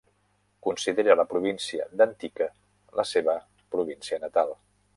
Considera la província d'Antique la seva província natal.